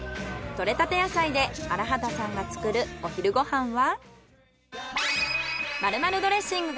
採れたて野菜で荒幡さんが作るお昼ご飯は？